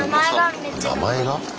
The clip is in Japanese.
名前が？